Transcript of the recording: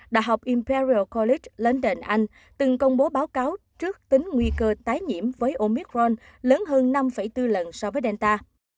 đại học imperial college london anh từng công bố báo cáo trước tính nguy cơ tái nhiễm với omicron lớn hơn năm bốn lần so với delta